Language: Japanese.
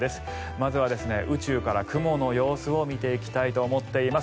まずは、宇宙から雲の様子を見ていきたいと思っています。